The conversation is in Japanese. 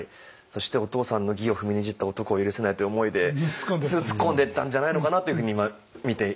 そしてお父さんの義を踏みにじった男を許せないという思いで突っ込んでったんじゃないのかなっていうふうに今見ていました。